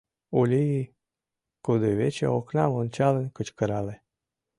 — Ули-и! — кудывече окнам ончалын кычкырале.